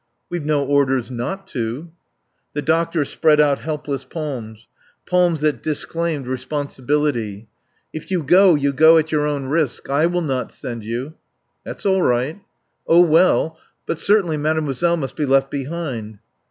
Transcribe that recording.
"We've no orders not to." The doctor spread out helpless palms, palms that disclaimed responsibility. "If you go, you go at your own risk. I will not send you." "That's all right." "Oh well But certainly Mademoiselle must be left behind."